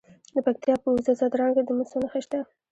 د پکتیا په وزه ځدراڼ کې د مسو نښې شته.